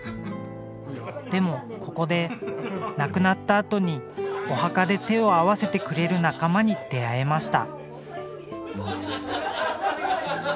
でもここで亡くなったあとにお墓で手を合わせてくれる仲間に出会えました。